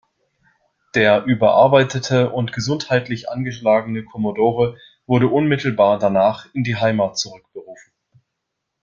Der überarbeitete und gesundheitlich angeschlagene Kommodore wurde unmittelbar danach in die Heimat zurückberufen.